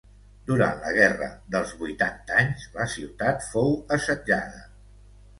Durant la guerra dels vuitanta anys, la ciutat fou assetjada.